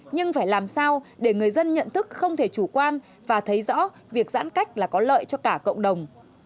nhưng phải làm sao để người dân nhận thức không thể chủ quan và thấy rõ việc giãn cách là có lợi cho cả cộng đồng